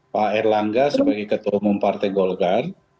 pak erlangga sebagai ketua umum partai golkar